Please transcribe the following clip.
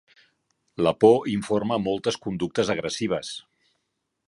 La por informa moltes conductes agressives.